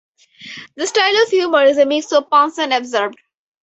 The style of humour is a mix of puns and absurd.